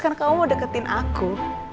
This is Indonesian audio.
karena kamu mau deketin aku